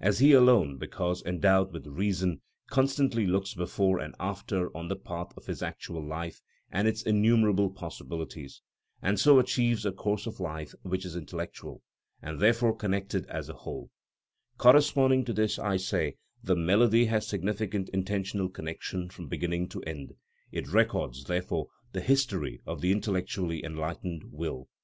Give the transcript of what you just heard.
As he alone, because endowed with reason, constantly looks before and after on the path of his actual life and its innumerable possibilities, and so achieves a course of life which is intellectual, and therefore connected as a whole; corresponding to this, I say, the melody has significant intentional connection from beginning to end. It records, therefore, the history of the intellectually enlightened will.